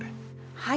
はい。